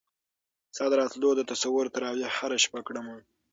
ستا د راتلو د تصور تراوېح هره شپه کړم